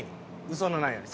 嘘のないように。